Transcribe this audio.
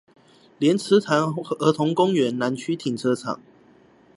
蓮池潭兒童公園南區停車場